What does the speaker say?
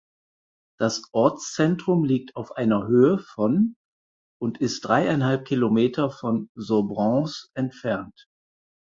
Das Ortszentrum liegt auf einer Höhe von und ist dreieinhalb Kilometer von Sobrance entfernt.